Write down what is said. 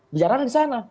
bercara di sana